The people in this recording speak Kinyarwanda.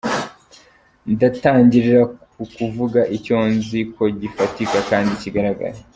Ndatangirira ku kuvuga icyo nzi ko gifatika kandi kigaragara.